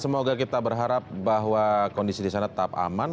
semoga kita berharap bahwa kondisi di sana tetap aman